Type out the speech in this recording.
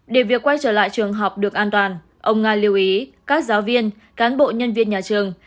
để việc quay trở lại trường học được an toàn ông nga lưu ý các giáo viên cán bộ nhân viên nhà trường